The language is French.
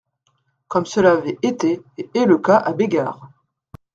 Comme cela avait été et est le cas à Bégard.